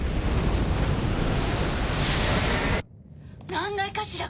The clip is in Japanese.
何階かしら？